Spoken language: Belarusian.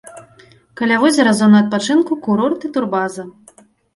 Каля возера зона адпачынку, курорт і турбаза.